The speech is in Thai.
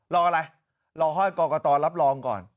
รออะไรรอห้อยกรกตรับรองก่อน